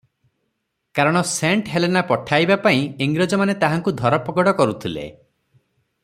କାରଣ Saint Helena ପଠାଇବା ପାଇଁ ଇଂରେଜମାନେ ତାହାଙ୍କୁ ଧରପଗଡ଼ କରୁଥିଲେ ।